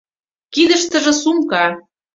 Кидыштыже сумка.